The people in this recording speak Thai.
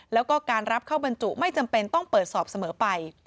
แล้วก็การรับเข้าบรรจุไม่จำเป็นต้องเปิดสอบเสมอไป